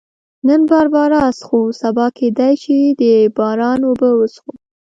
نن باربرا څښو، سبا کېدای شي د باران اوبه وڅښو.